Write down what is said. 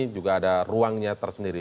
juga ada ruangnya tersendiri